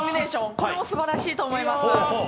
これもすばらしいと思います。